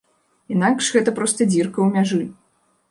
Інакш, гэта проста дзірка ў мяжы.